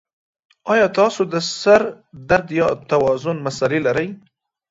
ایا تاسو د سر درد یا توازن مسلې لرئ؟